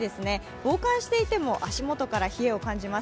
防寒していても足元から冷えを感じます。